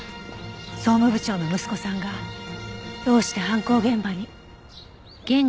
総務部長の息子さんがどうして犯行現場に？